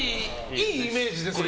いいイメージですね。